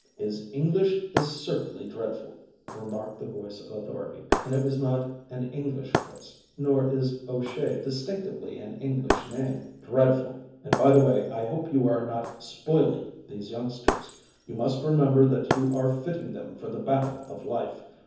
"His English is certainly dreadful," remarked the voice of authority, and it was not an English voice, nor is O'Shea distinctively an English name. "Dreadful. And, by the way, I hope you are not spoiling these youngsters. You must remember that you are fitting them for the battle of life.